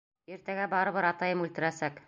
Иртәгә барыбер атайым үлтерәсәк!